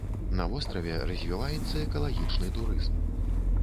На востраве развіваецца экалагічны турызм.